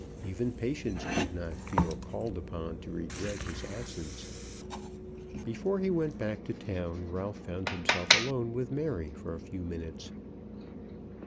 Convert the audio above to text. Even Patience did not feel called upon to regret his absence. Before he went back to town Ralph found himself alone with Mary for a few minutes.